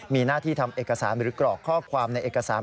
มีหน้าที่ทำเอกสารหรือกรอกข้อความในเอกสาร